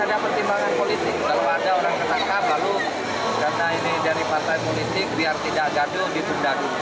jangan ada pertimbangan politik kalau ada orang ketangkap lalu karena ini dari pantai politik biar tidak gaduh dibendaduh